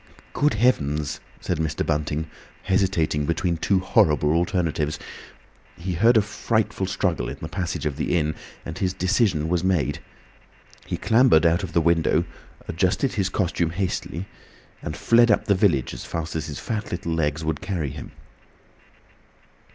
"Good heavens!" said Mr. Bunting, hesitating between two horrible alternatives. He heard a frightful struggle in the passage of the inn, and his decision was made. He clambered out of the window, adjusted his costume hastily, and fled up the village as fast as his fat little legs would carry him.